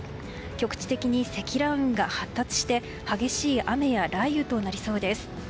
局地的に積乱雲が発達して激しい雨や雷雨となりそうです。